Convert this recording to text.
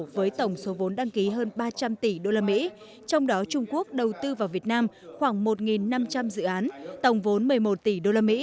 với tổng số vốn đăng ký hơn ba trăm linh tỷ usd trong đó trung quốc đầu tư vào việt nam khoảng một năm trăm linh dự án tổng vốn một mươi một tỷ usd